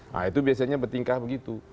nah itu biasanya bertingkah begitu